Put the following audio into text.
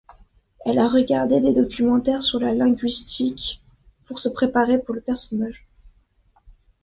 Elle a regardé des documentaires sur la linguistique pour se préparer pour le personnage.